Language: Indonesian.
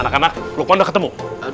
anak anak lukman udah ketemu